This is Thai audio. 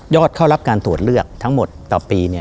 เข้ารับการตรวจเลือกทั้งหมดต่อปี